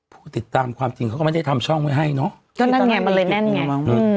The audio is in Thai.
ผู้ติดตามความจริงเขาก็ไม่ได้ทำช่องไว้ให้เนอะก็นั่นไงมันเลยนั่นไง